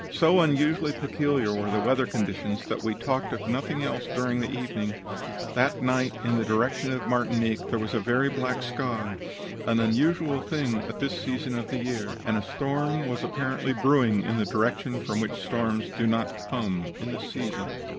"So unusually peculiar were the weather conditions that we talked of nothing else during the evening. That night, in the direction of Martinique, there was a very black sky, an unusual thing at this season of the year, and a storm was apparently brewing in a direction from which storms do not come at this season.